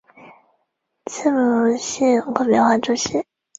利穆西人口变化图示